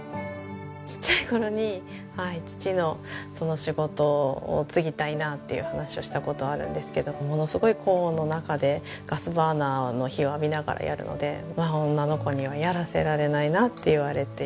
ちっちゃい頃に父の仕事を継ぎたいなっていう話をした事あるんですけどものすごい高温の中でガスバーナーの火を浴びながらやるので女の子にはやらせられないなって言われて。